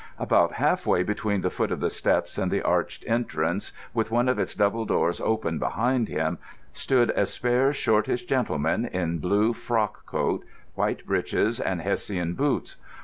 About half way between the foot of the steps and the arched entrance, with one of its double doors open behind him, stood a spare shortish gentleman, in blue frock coat, white breeches, and Hessian boots.